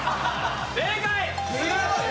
正解！